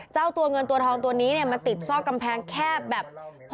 เจ้าตัวเงินตัวทองตัวนี้เนี่ยมันติดซอกกำแพงแคบแบบ